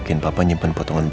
kenapa nggak ada misalnya